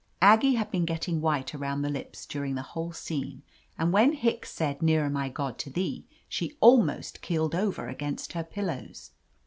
Aggie had been getting white around the lips during the whole scene, and when Hicks said "Nearer, my God, to Thee," she almost keeled over against her pillows.